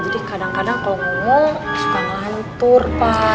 jadi kadang kadang kalau ngomong suka melantur pak